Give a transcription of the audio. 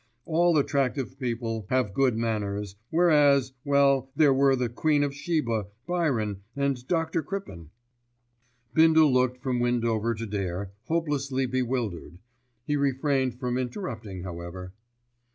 All attractive people have good manners, whereas—well there were the Queen of Sheba, Byron and Dr. Crippen." Bindle looked from Windover to Dare, hopelessly bewildered. He refrained from interrupting, however.